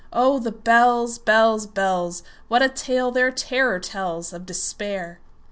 Oh, the bells, bells, bells! What a tale their terror tellsOf Despair!